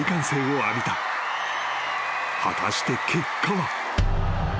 ［果たして結果は］